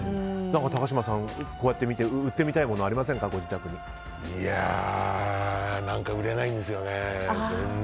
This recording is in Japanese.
高嶋さん、こうやって見て売ってみたいものはありませんかいや、売れないんですよね。